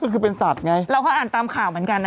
ก็คือเป็นสัตว์ไงเราก็อ่านตามข่าวเหมือนกันนะ